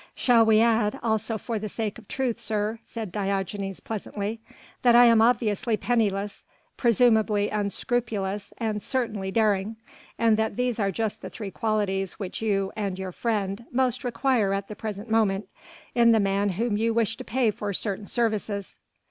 "Shall we add, also for the sake of truth, sir," said Diogenes pleasantly, "that I am obviously penniless, presumably unscrupulous and certainly daring, and that these are just the three qualities which you ... and your friend ... most require at the present moment in the man whom you wish to pay for certain services."